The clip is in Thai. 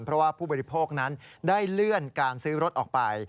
เพราะว่าผู้บริโภคนั้นได้เลื่อนการซื้อรถออกไป